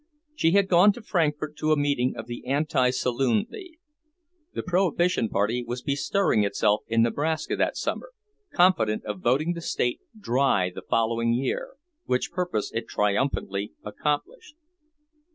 She had gone to Frankfort to a meeting of the Anti Saloon League. The Prohibition party was bestirring itself in Nebraska that summer, confident of voting the State dry the following year, which purpose it triumphantly accomplished.